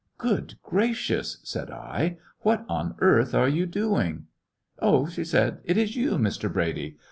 "Good gracious!" said I, "what on earth are you doing!" "Oh," she said, "it is you, Mr. Brady!